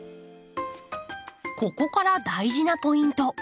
ここから大事なポイント。